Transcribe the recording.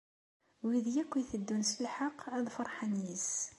Wid akk itteddun s lḥeqq, ad ferḥen yis-s.